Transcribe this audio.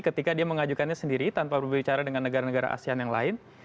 ketika dia mengajukannya sendiri tanpa berbicara dengan negara negara asean yang lain